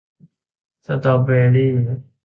สตรอว์เบอร์รี่